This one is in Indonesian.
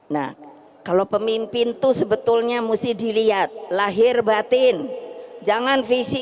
selalu mahu uncur hal langsungftuh